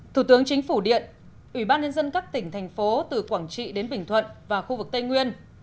thủ tướng chính phủ điện ủy ban nhân dân các tỉnh thành phố từ quảng trị đến bình thuận và khu vực tây nguyên